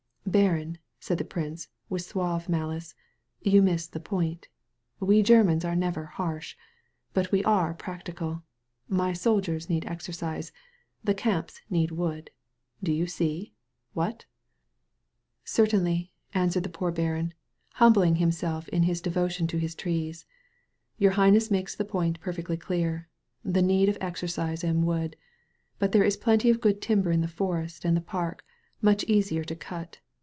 "Baron," said the prince, with suave malice, "you miss the point. We Germans are never harsh. But we are practical. My soldiers need exercise. The camps need wood. Do you see? What?" 57 THE VALLEY OF VISION *' Certainly/' answered the poor baron, humbling himself in his devotion to his trees. ""Your High ness makes the point perfectly dear — ^the need of exercise and wood. But there is plenty of good timber in the forest and the park — ^much easier to cut.